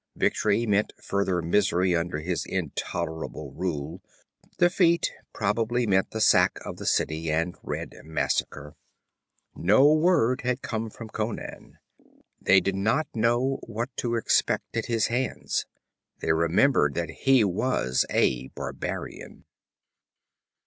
Victory meant further misery under his intolerable rule; defeat probably meant the sack of the city and red massacre. No word had come from Conan. They did not know what to expect at his hands. They remembered that he was a barbarian.